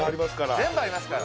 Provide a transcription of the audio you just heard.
「全部ありますから」